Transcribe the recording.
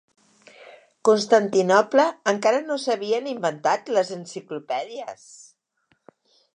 Constantinoble encara no s'havien inventat, les enciclopèdies!